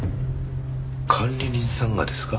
管理人さんがですか？